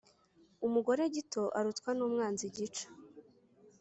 Umugore gito arutwa n’umwanzi gica.